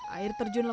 air terjun lembahan